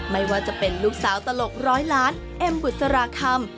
ไม่ว่าจะเป็นลูกสาวตลกร้อยล้านเอ็มบุษราคำ